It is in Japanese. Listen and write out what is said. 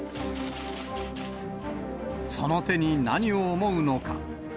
その手に何を思うのか。